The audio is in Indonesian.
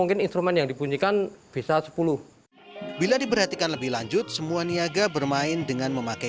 mungkin instrumen yang dibunyikan bisa sepuluh bila diperhatikan lebih lanjut semua niaga bermain dengan memakai